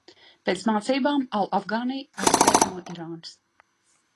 Pēc mācībām al Afgānī aizbēga no Irānas.